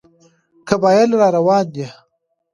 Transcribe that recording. قبایل را روان دي.